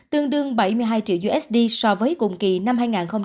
tương đương bảy mươi hai triệu usd so với cùng kỳ năm hai nghìn hai mươi ba